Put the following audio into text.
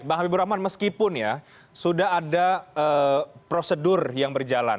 bang habibur rahman meskipun ya sudah ada prosedur yang berjalan